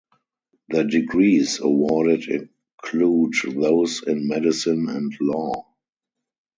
The degrees awarded include those in medicine and law.